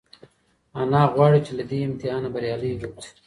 انا غواړي چې له دې امتحانه بریالۍ ووځي.